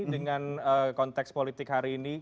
dengan konteks politik hari ini